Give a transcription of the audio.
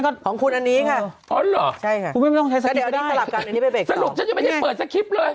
ถ้าสนุกฉันยังไม่ได้เปิดสคริปต์เลย